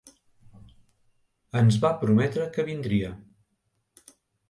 Ens va prometre que vindria.